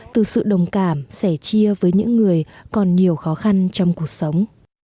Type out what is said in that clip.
từ sự đồng cảm sẻ chia với những người còn nhiều khó khăn trong cuộc sống